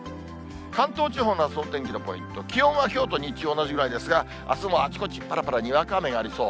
関東地方のあすのお天気のポイント、気温はきょうと日中、同じぐらいですが、あすもあちこち、ぱらぱらにわか雨がありそう。